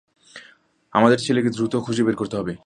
আমাদের ছেলেকে দ্রুত খুঁজে বের করতে হবে।